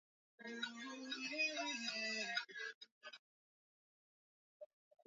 Kilimo cha viazi lishe ni muhimu kwa mkulima